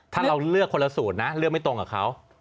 ถ้าเราเลือกคนละสูตรนะเลือกไม่ตรงกับเขา